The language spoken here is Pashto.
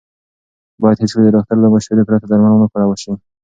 باید هېڅکله د ډاکټر له مشورې پرته درمل ونه کارول شي.